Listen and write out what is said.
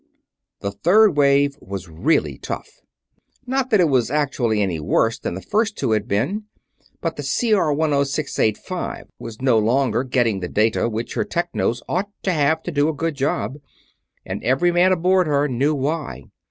The third wave was really tough. Not that it was actually any worse than the first two had been, but the CR10685 was no longer getting the data which her Technos ought to have to do a good job; and every man aboard her knew why.